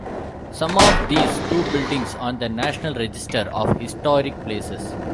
Some of these own buildings on the National Register of Historic Places.